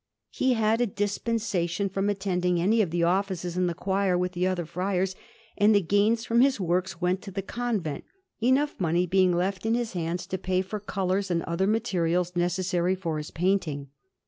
He had a dispensation from attending any of the offices in the choir with the other friars, and the gains from his works went to the convent, enough money being left in his hands to pay for colours and other materials necessary for his painting.